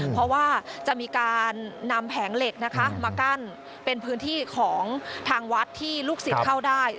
เพราะว่าจะมีการนำแผงเหล็กนะคะมากั้นเป็นพื้นที่ของทางวัดที่ลูกศิษย์เข้าได้